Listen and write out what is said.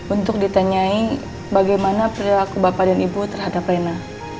untuk ditanyai bagaimana perilaku bapak dan ibu terhadap rena